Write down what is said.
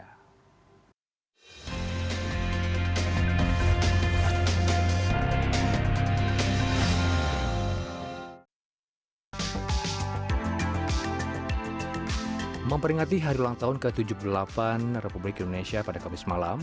kegiatan ini dalam rangka memperingati hadulang tahun ke tujuh puluh delapan republik indonesia pada kamis malam